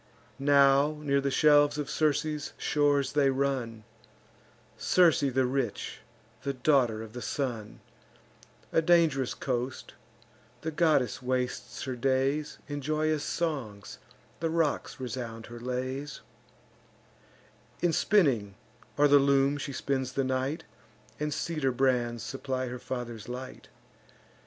Now near the shelves of Circe's shores they run, (Circe the rich, the daughter of the Sun,) A dang'rous coast: the goddess wastes her days In joyous songs; the rocks resound her lays: In spinning, or the loom, she spends the night, And cedar brands supply her father's light.